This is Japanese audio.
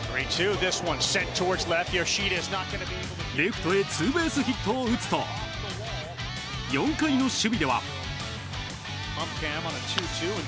レフトへツーベースヒットを打つと４回の守備では。